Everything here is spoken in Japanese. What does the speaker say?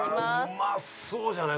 ◆うまそうじゃない？